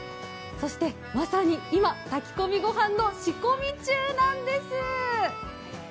そしてまさに今、炊き込みご飯の仕込み中なんです。